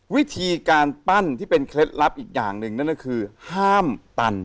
วิธีการปั้นที่เป็นเคล็ดลับอีกอย่างหนึ่งนั่นก็คือห้ามตัน